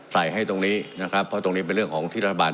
ใส่ให้ตรงนี้นะครับเพราะตรงนี้เป็นเรื่องของที่รัฐบาล